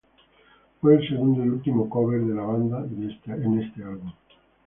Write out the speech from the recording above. Fue el segundo y último cover de la banda en este álbum.